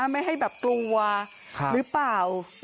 ไม่ให้แบบกลัวหรือเปล่า